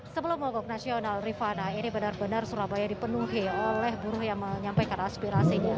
sebelum mogok nasional rifana ini benar benar surabaya dipenuhi oleh buruh yang menyampaikan aspirasinya